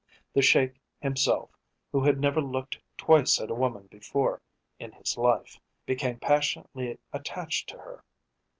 The Sheik himself, who had never looked twice at a woman before in his life, became passionately attached to her.